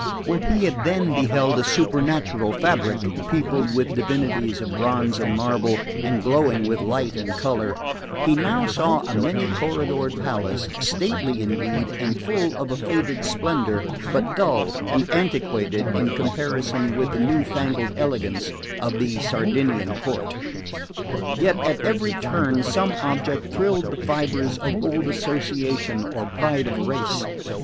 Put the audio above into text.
Where he had then beheld a supernatural fabric, peopled with divinities of bronze and marble, and glowing with light and colour, he now saw a many corridored palace, stately indeed, and full of a faded splendour, but dull and antiquated in comparison with the new fangled elegance of the Sardinian court. Yet at every turn some object thrilled the fibres of old association or pride of race.